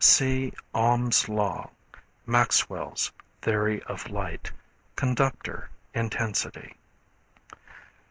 (See Ohm's Law Maxwell's Theory of Light Conductor Intensity.)